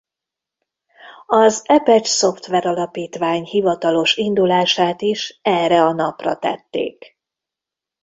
Az Apache Szoftver Alapítvány hivatalos indulását is erre a napra tették.